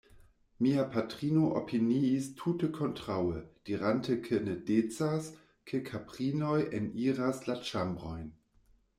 Mia patrino opiniis tute kontraŭe, dirante ke ne decas, ke kaprinoj eniras la ĉambrojn.